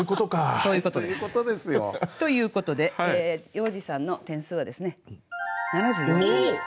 そういうことです。ということで要次さんの点数は７４点でした。